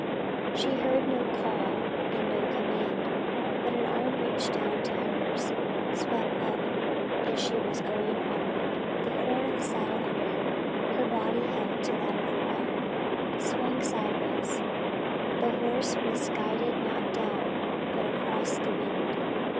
She heard no call and no command. But an arm reached down to hers, swept up and she was going onward, the horn of a saddle under her, her body held to that of the rider, swung sidewise. The horse was guided not down but across the wind.